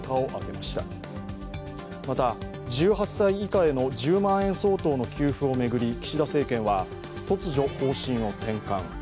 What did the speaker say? また、１８歳以下への１０万円相当の給付を巡り、岸田政権は突如、方針を転換。